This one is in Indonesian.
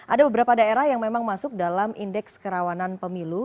ada beberapa daerah yang memang masuk dalam indeks kerawanan pemilu